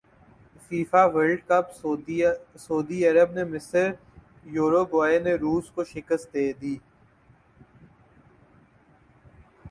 FIFA World Cup سعودی عرب نے مصر یوروگوئے نے روس کو شکست دیدی